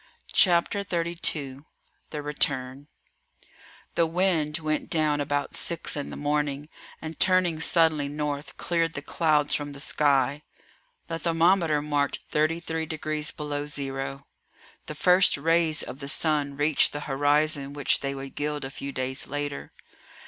CHAPTER XXXII THE RETURN The wind went down about six in the morning, and turning suddenly north cleared the clouds from the sky; the thermometer marked 33 degrees below zero. The first rays of the sun reached the horizon which they would gild a few days later.